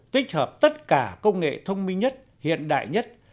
tích hợp tất cả công nghệ thông minh nhất hiện đại nhất